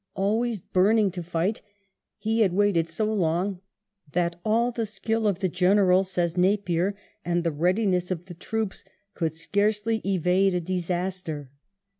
Always burning to fight, he had waited so long that *' all the skill of the General," says Napier, " and the readiness of the troops could scarcely evade a disaster."